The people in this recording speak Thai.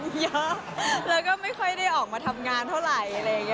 ติดต้องใช้เงินเยอะแล้วก็ไม่ค่อยได้ออกมาทำงานเท่าไหร่